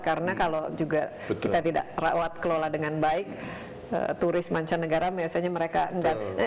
karena kalau juga kita tidak rawat kelola dengan baik turis mancanegara biasanya mereka tidak